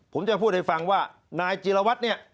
ผมจะพูดให้ฟังว่านายจีรวัตรเนี่ย